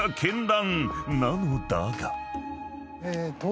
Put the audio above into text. ［なのだが］